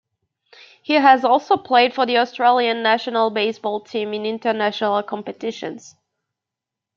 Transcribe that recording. He has also played for the Australian national baseball team in international competitions.